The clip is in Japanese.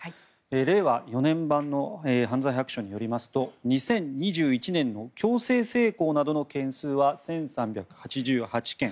令和４年版の犯罪白書によりますと２０２１年の強制性交などの件数は１３８８件。